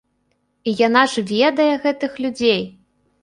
І яна ж ведае гэтых людзей!